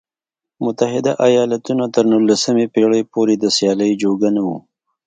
متحده ایالتونه تر نولسمې پېړۍ پورې د سیالۍ جوګه نه و.